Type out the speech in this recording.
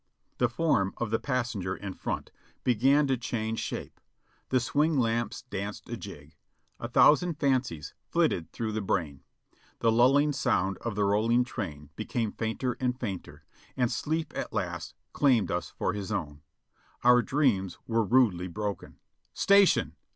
The form of the passenger in front began to change shape, the swing lamps danced a jig; a thou sand fancies flitted through the brain ; the lulling sound of the roll ing train became fainter and fainter, and sleep at last claimed us for his own. Our dreams were rudely broken. "Station